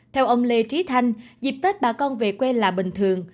theo ông lê trí thanh dịp tết bà con về quê là bình thường